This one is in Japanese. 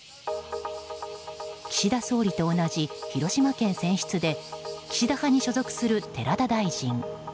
岸田総理と同じ広島県選出で岸田派に所属する寺田大臣。